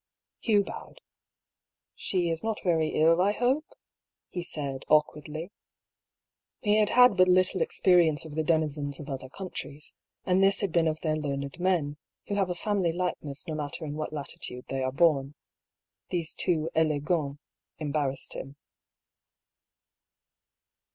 '' Hugh bowed. " She is not very ill, I hope ?'* he said, awkwardly. He had had but little experience of the denizens of other countries, and this had been of their learned men, who have a family likeness no matter in what latitude they are bom. These two eUgants embarrassed him.